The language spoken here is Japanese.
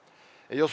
予想